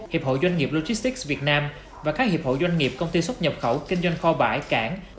hiệp hội doanh nghiệp logistics việt nam và các hiệp hội doanh nghiệp công ty xuất nhập khẩu kinh doanh kho bãi cảng